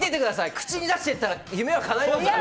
口に出して言ってたら夢はかないます。